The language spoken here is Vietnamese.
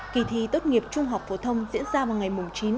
kỳ thi tốt nghiệp trung học phổ thông diễn ra vào ngày chín một mươi tám